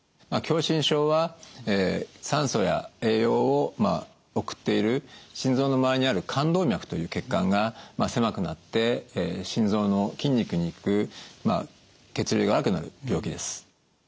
狭心症は酸素や栄養を送っている心臓の周りにある冠動脈という血管が狭くなって心臓の筋肉に行く血流が悪くなる病気です。